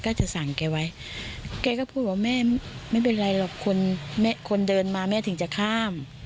ก็จะสั่งแกไว้แกก็พูดว่าแม่ไม่เป็นไรหรอกคนเดินมาแม่ถึงจะข้าม